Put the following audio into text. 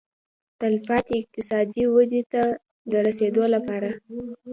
تلپاتې اقتصادي ودې ته د رسېدو لپاره.